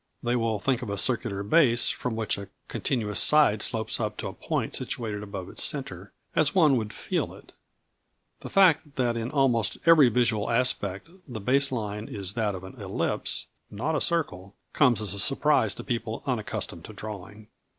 They will think of a circular base from which a continuous side slopes up to a point situated above its centre, as one would feel it. The fact that in almost every visual aspect the base line is that of an ellipse, not a circle, comes as a surprise to people unaccustomed to drawing.